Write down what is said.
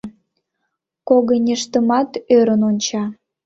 Когыньыштымат ӧрын онча...